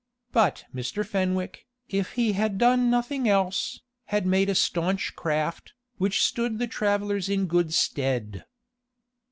But Mr. Fenwick, if he had done nothing else, had made a staunch craft, which stood the travelers in good stead.